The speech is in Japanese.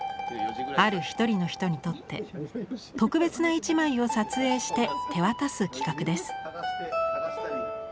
ある一人の人にとって特別な一枚を撮影して手渡す企画です。